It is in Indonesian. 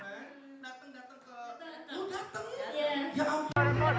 datang datang ke